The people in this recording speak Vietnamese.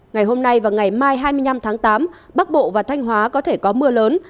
ngày hôm nay và ngày mai hai mươi năm tháng tám bắc bộ và thanh hóa có thể có mưa lớn